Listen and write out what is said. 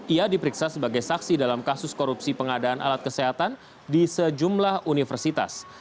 ia diperiksa sebagai saksi dalam kasus korupsi pengadaan alat kesehatan di sejumlah universitas